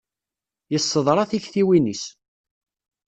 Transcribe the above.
Yesseḍra tiktiwin-is.